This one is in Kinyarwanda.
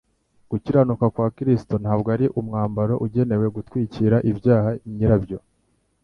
Gukiranuka kwa Kristo, ntabwo ari umwambaro ugenewe gutwikira ibyaha nyirabyo